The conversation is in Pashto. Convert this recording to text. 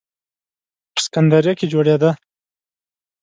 په سکندریه کې جوړېده.